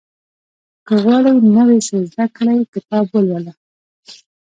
• که غواړې نوی څه زده کړې، کتاب ولوله.